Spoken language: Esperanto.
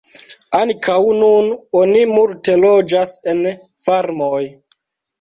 Ankaŭ nun oni multe loĝas en farmoj.